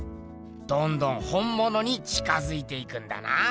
どんどん本ものに近づいていくんだな。